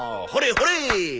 ほれほれ。